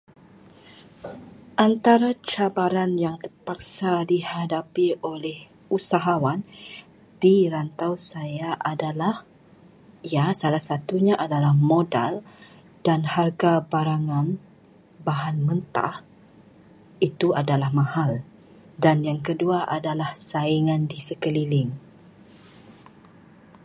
Antara cabaran yang terpaksa dihadapi oleh usahawan di rantau saya adalah, ya, salah satunya adalah modal dan harga barangan itu adalah mahal, dan yang kedua adalah saingan di sekeliling.